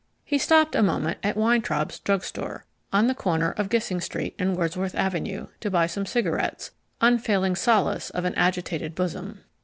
He stopped a moment at Weintraub's drug store, on the corner of Gissing Street and Wordsworth Avenue, to buy some cigarettes, unfailing solace of an agitated bosom.